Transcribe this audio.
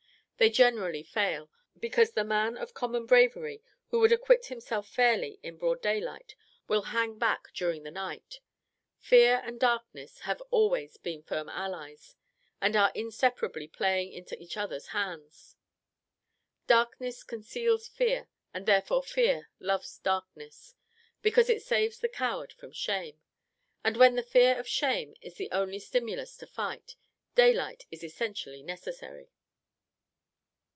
They generally fail: because the man of common bravery, who would acquit himself fairly in broad daylight, will hang back during the night. Fear and Darkness have always been firm allies; and are inseparably playing into each other's hands. Darkness conceals Fear, and therefore Fear loves Darkness, because it saves the coward from shame; and when the fear of shame is the only stimulus to fight, daylight is essentially necessary.